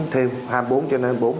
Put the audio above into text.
thêm hai mươi bốn trên hai mươi bốn